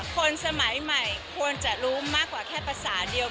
คนสมัยใหม่ควรจะรู้มากกว่าแค่ภาษาเดียว